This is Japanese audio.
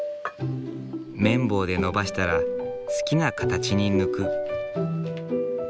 麺棒でのばしたら好きな形に抜く。